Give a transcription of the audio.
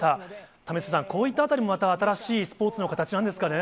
為末さん、こういったあたりも、また新しいスポーツの形なんですかね。